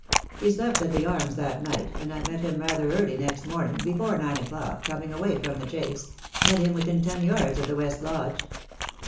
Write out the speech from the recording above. He slept at the Arms that night, and I met him rather early next morn ing, before nine o'clock, coming away from the Chase — met him within ten yards of the West Lodge."